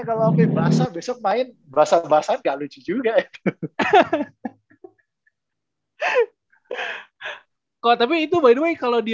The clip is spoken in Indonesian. kalau oke berasa besok main berasa berasa enggak lucu juga kok tapi itu by the way kalau di